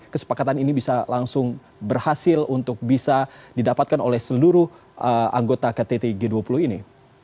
kesepakatan ini bisa langsung berhasil untuk bisa didapatkan oleh seluruh anggota ktt g dua puluh ini